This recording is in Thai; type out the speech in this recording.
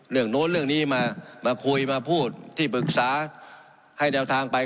โน้นเรื่องนี้มามาคุยมาพูดที่ปรึกษาให้แนวทางไป